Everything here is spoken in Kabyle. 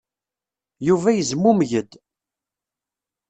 Yuba yezmumeg-d.